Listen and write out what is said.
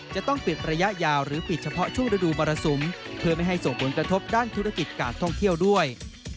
จะต้องปิดระยะยาวหรือปิดเฉพาะช่วงฤดูมรสุมเพื่อไม่ให้ส่งผลกระทบด้านธุรกิจการท่องเที่ยวด้วย